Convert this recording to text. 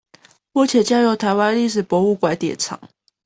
目前交由臺灣歷史博物館典藏